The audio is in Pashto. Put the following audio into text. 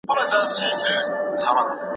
ایا استاد د څيړني پایله ارزوي؟